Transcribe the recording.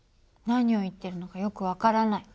何を言ってるのかよく分からない。